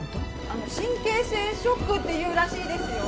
あの神経性ショックっていうらしいですよ。